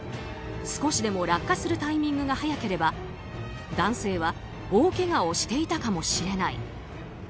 少しでも落下するタイミングが早ければ男性は大けがをしていたかもしれない。